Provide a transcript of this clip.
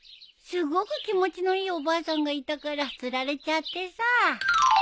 すごく気持ちのいいおばあさんがいたからつられちゃってさあ。